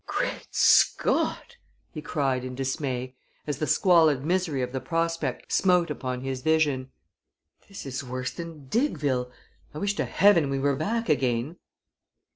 "Great Scott!" he cried, in dismay, as the squalid misery of the prospect smote upon his vision. "This is worse than Diggville. I wish to heaven we were back again."